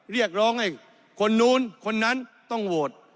เรียกร้องให้คนนู้นคนนั้นต้องโหวต